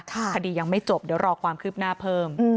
คดียังไม่จบเดี๋ยวรอความคืบหน้าเพิ่ม